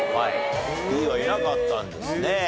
Ｂはいなかったんですね。